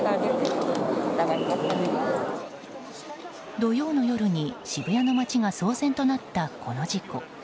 土曜の夜に渋谷の街が騒然となったこの事故。